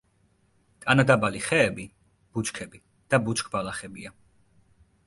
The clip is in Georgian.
ტანდაბალი ხეები, ბუჩქები და ბუჩქბალახებია.